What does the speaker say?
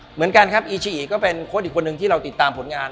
เหมือนกันครับอีชิอิก็เป็นโค้ดอีกคนนึงที่เราติดตามผลงาน